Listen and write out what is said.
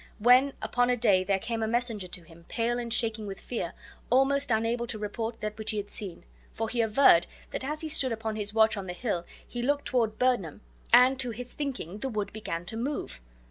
When, upon a day, there came a messenger to him, pale and shaking with fear, almost unable to report that which he had seen; for he averred, that as he stood upon his watch on the hill he looked toward Birnam, and to his thinking the wood began to move!